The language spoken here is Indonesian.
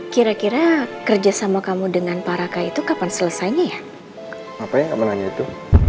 kira kira kerjasama kamu dengan paraka itu kapan selesainya ya apa yang menanya itu